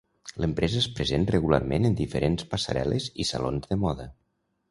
L'empresa és present regularment en diferents passarel·les i salons de moda.